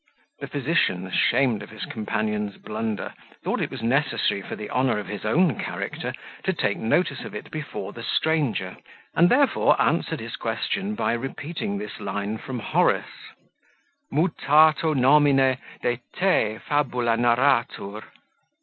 The physician, ashamed of his companion's blunder, thought it was necessary, for the honour of his wan character, to take notice of it before the stranger, and therefore answered his question by repeating this line from Horace: Mutato nomine, de te fabula narratur.